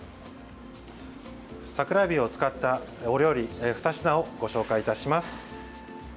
桜えびを使ったお料理２品ご紹介いたします。